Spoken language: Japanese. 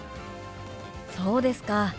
そうですか。